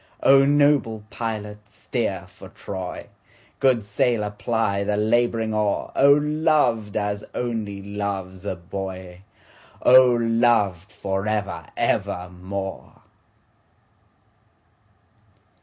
O noble pilot steer for Troy, Good sailor ply the labouring oar,O loved as only loves a boy!O loved for ever evermore!